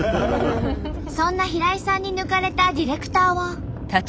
そんな平井さんに抜かれたディレクターは。